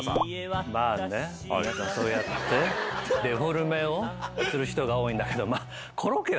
まね皆さんそうやってデフォルメをする人が多いんだけど。